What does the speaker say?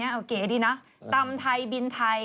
เอาเก๋ดีนะตำไทยบินไทย